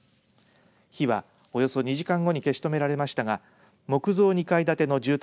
火はおよそ２時間後に消し止められましたが木造２階建ての住宅